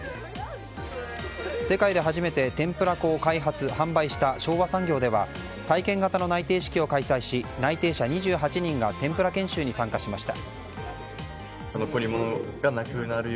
世界で初めて天ぷらを開発販売した昭和産業では体験型の内定式を開催し内定者２８人が天ぷら研修に参加しました。